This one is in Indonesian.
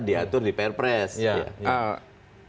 diatur di pr press